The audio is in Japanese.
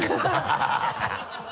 ハハハ